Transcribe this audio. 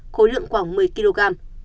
khối lượng khoảng một mươi kg